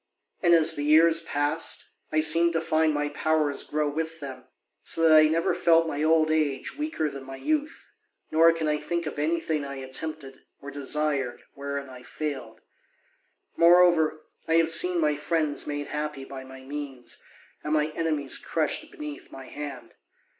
And as the years passed, I seemed to find my powers grow with them, so that I never felt my old age weaker than my youth, nor can I think of anything I attempted or desired wherein I failed. Moreover, I have seen my friends made happy by my means, and my enemies crushed beneath my hand.